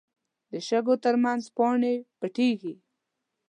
د شګو تر منځ پاڼې پټېږي